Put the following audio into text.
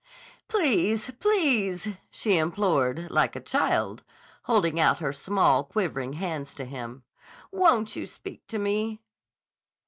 "Please! Please," she implored, like a child, holding out her small, quivering hands to him. "Won't you speak to me?"